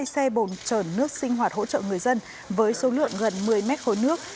hai xe bồn trởn nước sinh hoạt hỗ trợ người dân với số lượng gần một mươi mét khối nước